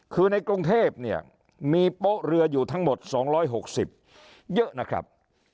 คือในกรุงเทพเนี่ยมีโป๊ะเรืออยู่ทั้งหมด๒๖๐เยอะนะครับ